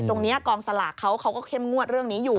กองสลากเขาก็เข้มงวดเรื่องนี้อยู่